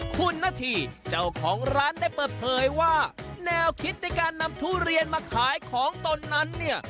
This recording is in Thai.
คุณนาธีเจ้าของร้านได้เปิดเผยว่าแนวคิดในการนำทุเรียนมาขายของตนนั้นเนี่ย